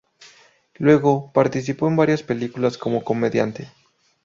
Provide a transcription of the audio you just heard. Luego, participó en varias películas como comediante.